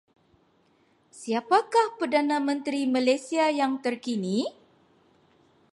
Siapakah Perdana Menteri Malaysia yang terkini?